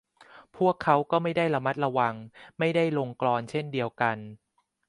พวกเขาก็ไม่ได้ระมัดระวัง ไม่ได้ลงกลอนเช่นเดียวกัน